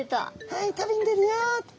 はい旅に出るよ。